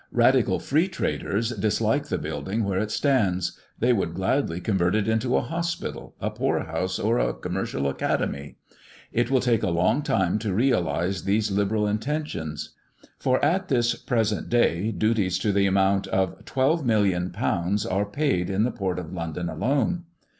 Radical Free traders dislike the building where it stands; they would gladly convert it into a hospital, a poorhouse, or a commercial academy. It will take a long time to realise these liberal intentions; for at this present day duties to the amount £12,000,000 are paid in the port of London alone.